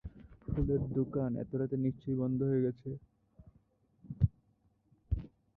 ফুলের দোকান এত রাতে নিশ্চয়ই বন্ধ হয়ে গেছে।